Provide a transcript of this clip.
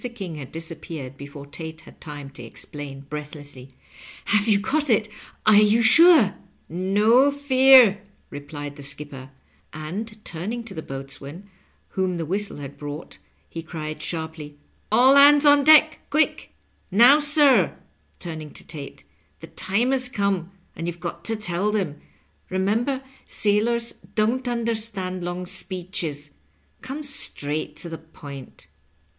King had disappeared before Tate had time to exclaim, breathlessly, ^^ Have you got it ? are you sure %" "No fear,^ replied the skipper, and, turning to the boatswain, whom the whistle had brought, he cried, sharply, " All hands on deck, quick I Now, sir," turning to Tate, "the time has come, and you've got to tell them. Bemember, sailors don't understand long speeches — come straight to the point."